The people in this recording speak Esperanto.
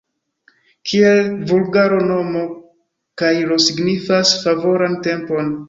Kiel vulgara nomo kairo signas favoran tempon.